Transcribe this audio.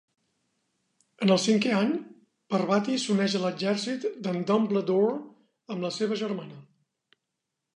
En el cinquè any, Parvati s'uneix a l'Exèrcit d'en Dumbledore amb la seva germana.